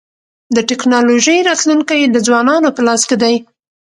د ټکنالوژۍ راتلونکی د ځوانانو په لاس کي دی.